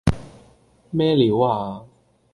咩料呀